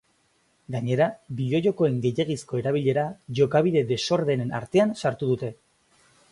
Gainera, bideo-jokoen gehiegizko erabilera jokabide desordenen artean sartu dute.